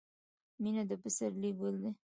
• مینه د پسرلي ګل دی.